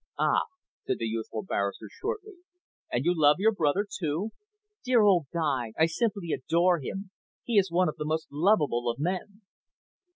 "Ah!" said the youthful barrister shortly. "And you love your brother too?" "Dear old Guy! I simply adore him. He is one of the most lovable of men."